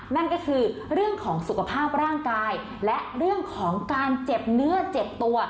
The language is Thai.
นั่นก็คือเรื่องของสุขภาพร่างกายและเรื่องของการเจ็บเนื้อเจ็บตัว